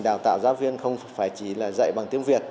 đào tạo giáo viên không phải chỉ là dạy bằng tiếng việt